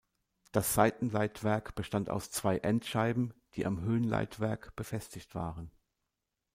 Das Seitenleitwerk bestand aus zwei Endscheiben, die am Höhenleitwerk befestigt waren.